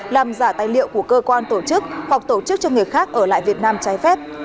làm giả tài liệu của cơ quan tổ chức hoặc tổ chức cho người khác ở lại việt nam trái phép